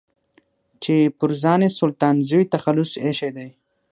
چې پر ځان يې سلطان زوی تخلص ايښی دی.